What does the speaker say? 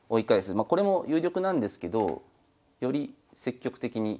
まあこれも有力なんですけどより積極的にいきます。